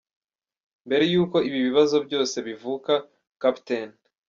Mbere y’uko ibi bibazo byose bivuka, Capt.